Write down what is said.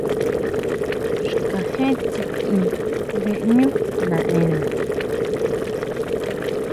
Xkajén tsitin beʼñú naʼena.